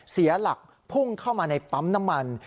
เสียหลักพุ่งเข้ามาในปั๊มน้ำมัน